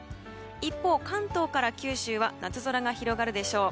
一方、関東から九州は夏空が広がるでしょう。